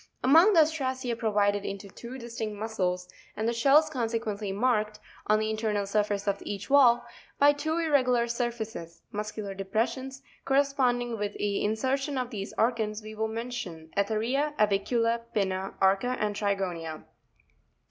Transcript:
Among the Ostracea provided with two distinct muscles, and the shells con sequently marked, on the internal surface of each valve, by two irregular sure faces (muscular depressions) corresponding with the in sertion of these organs, we will mention Etheria, Avicula, Pinna, Arca, and Trigonia.